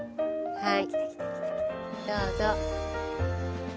はい。